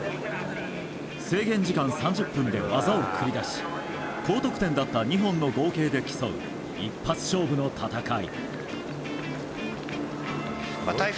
制限時間３０分で技を繰り出し高得点だった２本の合計で競う一発勝負の戦い。